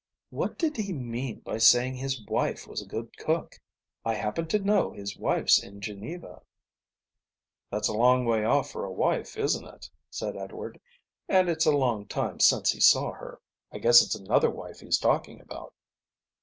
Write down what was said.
"What did he mean by saying his wife was a good cook? I happen to know his wife's in Geneva." "That's a long way off for a wife, isn't it?" said Edward. "And it's a long time since he saw her. I guess it's another wife he's talking about."